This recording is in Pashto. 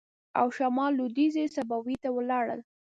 او شمال لوېدیځې صوبې ته ولاړل.